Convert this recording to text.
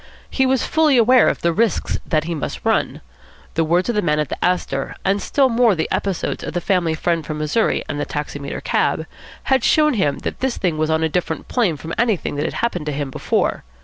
He was fully aware of the risks that he must run. The words of the man at the Astor, and still more the episodes of the family friend from Missouri and the taximeter cab, had shown him that this thing was on a different plane from anything that had happened to him before.